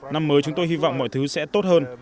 năm mới chúng tôi hy vọng mọi thứ sẽ tốt hơn